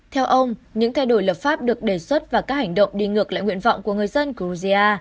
theo ông những thay đổi lập pháp được đề xuất và các hành động đi ngược lại nguyện vọng của người dân georgia